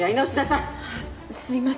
はいすいません。